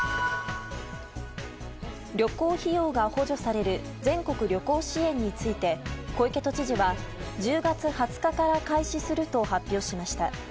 旅行費用が補助される全国旅行支援について小池都知事は１０月２０日から開始すると発表しました。